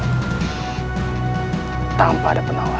tidak akan ada selama